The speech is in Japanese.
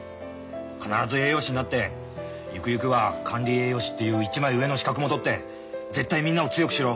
必ず栄養士になってゆくゆくは管理栄養士っていう一枚上の資格も取って絶対みんなを強くしろ。